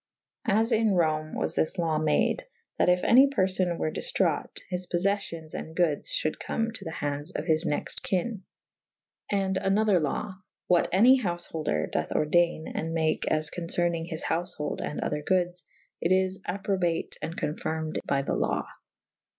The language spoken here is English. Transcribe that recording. As in Rome was this law made/ that yf any perlbne were dif traught / his poffeffyons [F iii a] and goodes fhulde come to the handes of his next kynne. And an other law / what any houfeholder dothe orden' and make as concernynge his houfeholde and other goodes / it is approbate and confirmed by the lawe.